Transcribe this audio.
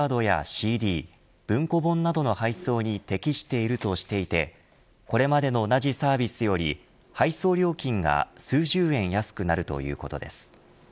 トレーディングカードやＣＤ文庫本などの配送に適しているとしていてこれまでの同じサービスより配送料金が数十円安くなるということです。